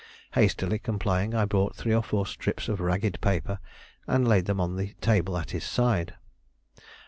Hastily complying, I brought three or four strips of ragged paper, and laid them on the table at his side.